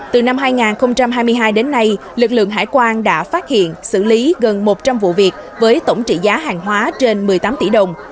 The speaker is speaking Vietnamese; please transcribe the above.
từ năm hai nghìn hai mươi hai đến nay lực lượng hải quan đã phát hiện xử lý gần một trăm linh vụ việc với tổng trị giá hàng hóa trên một mươi tám tỷ đồng